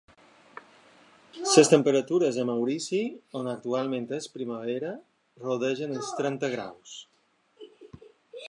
Les temperatures a Maurici, on actualment és primavera, rodegen els trenta graus.